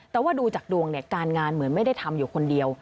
แต่ว่าดูจากดวงเนี่ยการงานเหมือนไม่ได้ทำอยู่คนเดียว